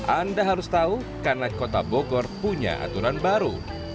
anda harus tahu karena kota bogor punya aturan baru